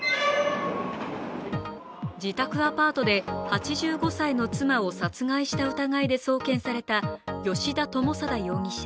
自宅アパートで８５歳の妻を殺害した疑いで送検された吉田友貞容疑者